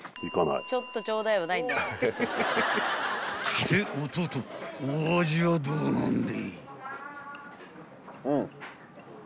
［して弟お味はどうなんでい］